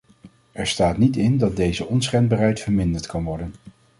Er staat niet in dat deze onschendbaarheid verminderd kan worden.